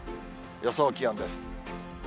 予想気温です。